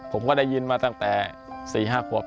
ผมก็ได้ยินมาตั้งแต่สี่ห้าขวบ